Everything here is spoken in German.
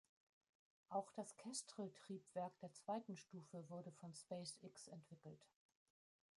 Auch das Kestrel-Triebwerk der zweiten Stufe wurde von SpaceX entwickelt.